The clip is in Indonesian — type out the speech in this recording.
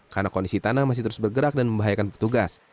karena kondisi tanah masih terus bergerak dan membahayakan petugas